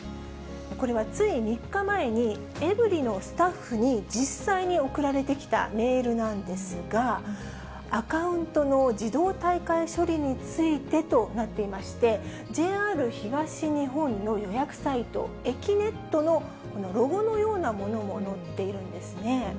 これはつい３日前に、エブリィのスタッフに実際に送られてきたメールなんですが、アカウントの自動退会処理についてとなっていまして、ＪＲ東日本の予約サイト、えきねっとのロゴのようなものも載っているんですね。